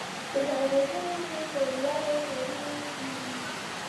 د جلغوزیو ونې په لوړو غرونو کې وي.